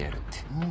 うん。